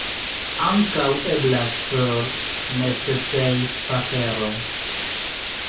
Ankaŭ eblas per necesejpapero!